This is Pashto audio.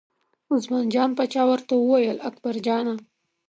عثمان جان پاچا ورته وویل اکبرجانه!